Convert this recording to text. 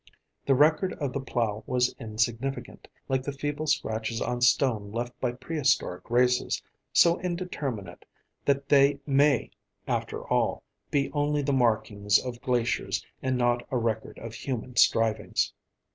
The record of the plow was insignificant, like the feeble scratches on stone left by prehistoric races, so indeterminate that they may, after all, be only the markings of glaciers, and not a record of human strivings.